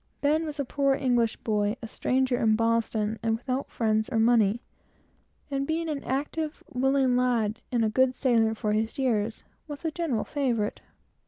Ben was a poor English boy, a stranger in Boston, and without friends or money; and being an active, willing lad, and a good sailor for his years, was a general favorite.